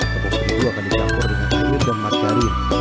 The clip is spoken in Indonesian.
kumpul kumpul akan dicampur dengan air dan margarin